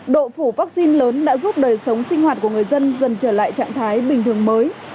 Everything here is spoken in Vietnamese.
độ phủ vaccine lớn đã giúp đời sống sinh hoạt của người dân dần trở lại trạng thái bình thường mới